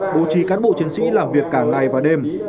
bố trí cán bộ chiến sĩ làm việc cả ngày và đêm